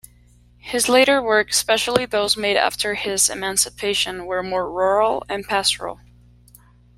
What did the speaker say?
His later works, especially those made after his emancipation, were more rural and pastoral.